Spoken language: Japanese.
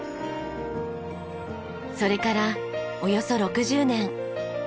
それからおよそ６０年。